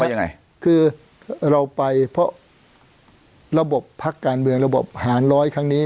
ยังไงคือเราไปเพราะระบบพักการเมืองระบบหารร้อยครั้งนี้